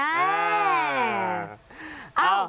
เออ